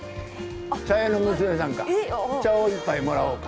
茶屋の娘さんか、茶を一杯もらおうか。